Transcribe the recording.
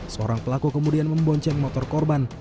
seorang pelaku kemudian membonceng motor korban